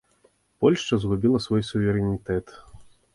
Польшча згубіла свой суверэнітэт!